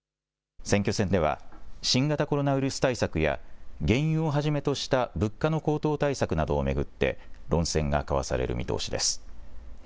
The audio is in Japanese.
選挙戦では新型コロナウイルス対策や原油をはじめとした物価の高騰対策などを巡って論戦が交わされる見通しです。